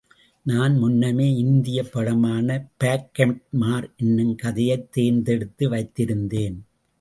நான் முன்னமே இந்திப் படமான பாக்கெட்மார் என்னும் கதையைத் தேர்ந்தெடுத்து வைத்திருந்தேன்.